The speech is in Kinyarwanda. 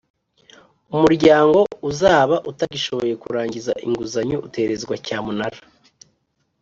Umuryango uzaba utagishoboye kurangiza inguzanyo uterezwa cyamunara